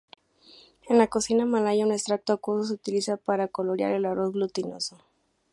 En la cocina malaya, un extracto acuoso se utiliza para colorear el arroz glutinoso.